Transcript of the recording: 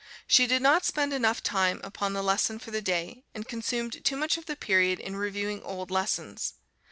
She did not spend enough time upon the lesson for the day, and consumed too much of the period in reviewing old lessons.